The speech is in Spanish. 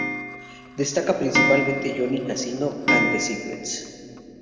Destaca principalmente Johnny Casino And The Secrets.